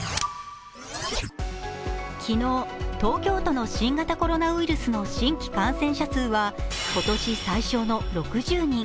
昨日、東京都の新型コロナウイルスの新規感染者数は今年最少の６０人。